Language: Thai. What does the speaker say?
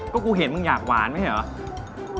ก็กูเห็นมึงอยากหวานไม่ใช่เหรอ